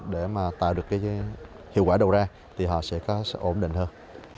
để mà tạo được cái hiệu quả đầu ra thì họ sẽ có ổn định hơn